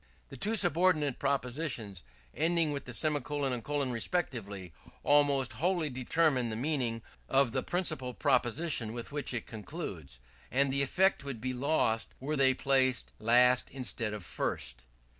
The two subordinate propositions, ending with the semicolon and colon respectively, almost wholly determine the meaning of the principal proposition with which it concludes; and the effect would be lost were they placed last instead of first.